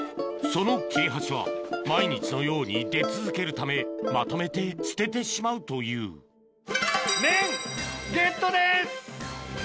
その切れ端は毎日のように出続けるためまとめて捨ててしまうという麺ゲットです！